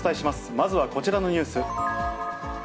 まずはこちらのニュース。